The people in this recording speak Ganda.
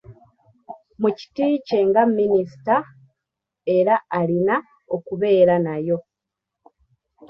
Mu kiti kye nga Minisita era alina okubeera nayo.